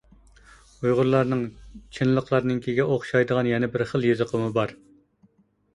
ئۇيغۇرلارنىڭ چىنلىقلارنىڭكىگە ئوخشايدىغان يەنە بىر خىل يېزىقىمۇ بار.